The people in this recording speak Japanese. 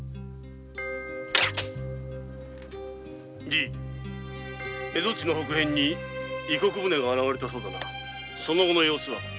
じぃ蝦夷地の北辺に異国船が現れたそうだなその後の様子は？